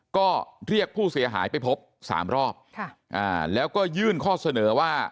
ก็เรียกผู้เสียหายไปพบสามรอบแล้วก็ยื่นข้อเสนอว่า